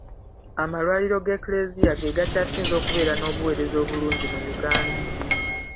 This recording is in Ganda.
Amalwaliro g’Eklezia ge gakyasinze okubeera n’obuweereza obulungi mu Uganda.